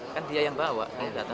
kan dia yang bawa